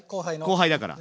後輩だから。